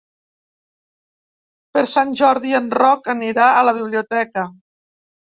Per Sant Jordi en Roc anirà a la biblioteca.